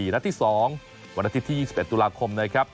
นัดที่๒วันที่๒๑ตุลาคมนะครับ